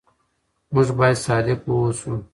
موږ باید صادق واوسو.